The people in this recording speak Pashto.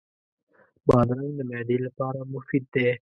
بادرنګ د معدې لپاره مفید دی.